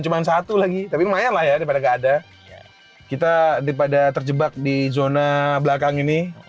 cuma satu lagi tapi lumayan lah ya daripada nggak ada kita daripada terjebak di zona belakang ini